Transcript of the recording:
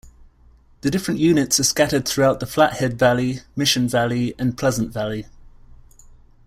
The different units are scattered throughout the Flathead Valley, Mission Valley, and Pleasant Valley.